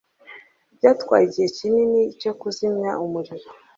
Byatwaye igihe kinini cyo kuzimya umuriro.